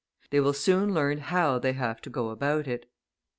They will soon learn how they have to go about it.